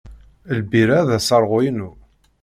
Lbira ad d-aṣerɣu-inu.